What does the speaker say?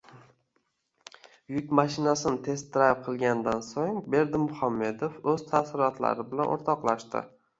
Yuk mashinasini test-drayv qilgandan so‘ng Berdimuhamedov o‘z taassurotlari bilan o‘rtoqlashdi